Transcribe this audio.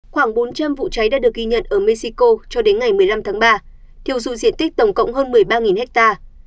khoảng bốn trăm linh vụ cháy đã được ghi nhận ở mexico cho đến ngày một mươi năm tháng ba thiêu dụ diện tích tổng cộng hơn một mươi ba ha